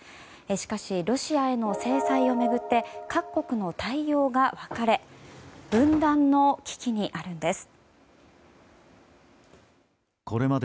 しかし、ロシアへの制裁を巡って各国の対応が分かれ分断の危機にあるんです。